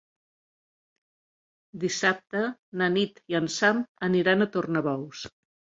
Dissabte na Nit i en Sam aniran a Tornabous.